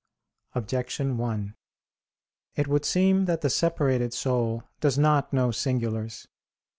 Objection 1: It would seem that the separated soul does not know singulars.